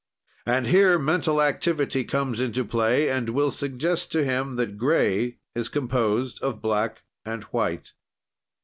And here mental activity comes into play and will suggest to him that gray is composed of black and white.